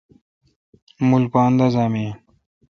مُل پا اندازا می این۔